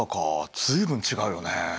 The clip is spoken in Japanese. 随分違うよね。